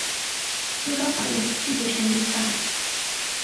最高法院拒绝审理此案。